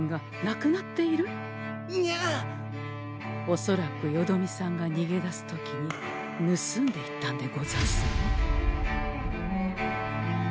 おそらくよどみさんがにげ出す時に盗んでいったんでござんすね。